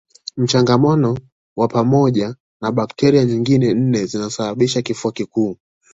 Mchangamano wa pamoja na bakteria nyingine nne zinazosababisha kifua kikuu